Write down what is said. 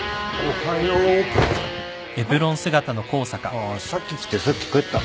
ああさっき来てさっき帰った。